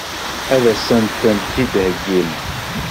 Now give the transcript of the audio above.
Ad sent-tent-id-theggim?